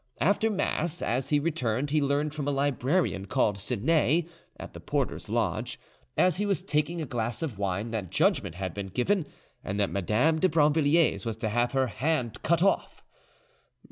After mass, as he returned, he learned from a librarian called Seney, at the porter's lodge, as he was taking a glass of wine, that judgment had been given, and that Madame de Brinvilliers was to have her hand cut off.